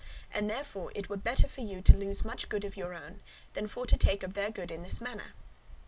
And therefore it were better for you to lose much good of your own, than for to take of their good in this manner.